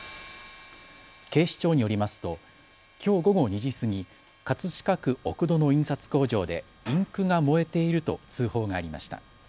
警視庁によりますときょう午後２時過ぎ、葛飾区奥戸の印刷工場でインクが燃えていると通報がありました。